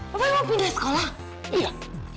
papa mau pindah sekolah